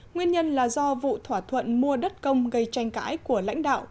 nguyên nhân là do vụ thỏa thuận mua đất công gây tranh cãi của lãnh đạo